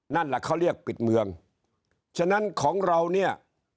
นั่นแหละเขาเรียกปิดเมืองฉะนั้นของเราเนี่ย